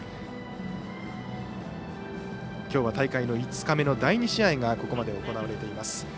きょうは大会の５日目の第２試合がここまで行われています。